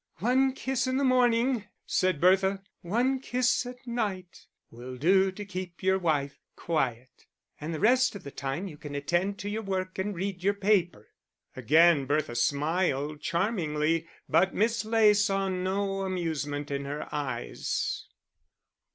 "One kiss in the morning," said Bertha, "one kiss at night, will do to keep your wife quiet; and the rest of the time you can attend to your work and read your paper." Again Bertha smiled charmingly, but Miss Ley saw no amusement in her eyes.